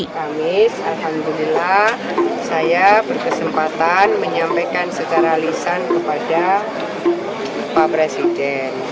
kamis alhamdulillah saya berkesempatan menyampaikan secara lisan kepada pak presiden